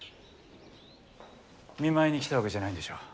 見舞いに来たわけじゃないんでしょう？